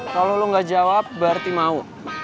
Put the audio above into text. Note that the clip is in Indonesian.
kalau lo gak jawab berarti mau